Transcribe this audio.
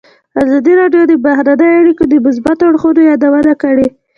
ازادي راډیو د بهرنۍ اړیکې د مثبتو اړخونو یادونه کړې.